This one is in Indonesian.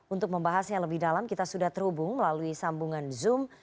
untuk membahasnya lebih dalam kita sudah terhubung melalui sambungan zoom